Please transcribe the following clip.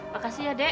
makasih ya dek